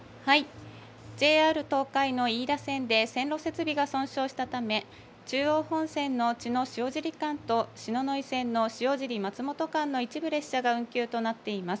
ＪＲ東海の飯田線で線路設備が損傷したため、中央本線の茅野・塩尻間と篠ノ井線の塩尻・松本間の一部列車が運休となっています。